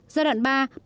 giai đoạn ba